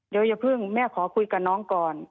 เดี๋ยวอย่าเพิ่งแม่ขอคุยกับน้องก่อน